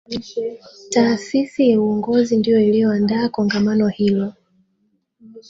Taasisi ya Uongozi ndiyo iliyoandaa Kongamano hilo